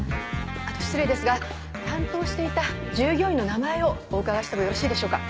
あと失礼ですが担当していた従業員の名前をお伺いしてもよろしいでしょうか。